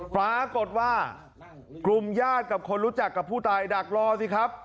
ปรากฏว่ากลุ่มญาติกับคนรู้จักกับผู้ตายดักรอสิครับ